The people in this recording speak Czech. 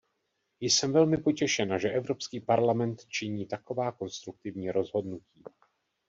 Jsem velmi potěšena, že Evropský parlament činí taková konstruktivní rozhodnutí.